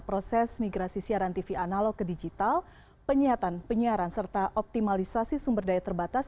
proses migrasi siaran tv analog ke digital penyiaran penyiaran serta optimalisasi sumber daya terbatas